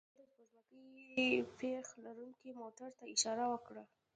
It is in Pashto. هغه د سپوږمکۍ ډیش لرونکي موټر ته اشاره وکړه